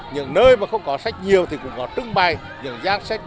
những nơi mà không có sách nhiều thì cũng có trưng bày những gian sách